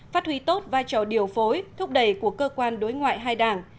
phát huy tốt vai trò điều phối thúc đẩy của cơ quan đối ngoại hai đảng